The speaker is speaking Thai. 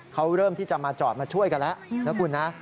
เขาเริ่มที่จะมาจอดมาช่วยกันแล้วนะคุณนะ